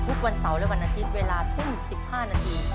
ทุกวันเสาร์และวันอาทิตย์เวลาทุ่ม๑๕นาที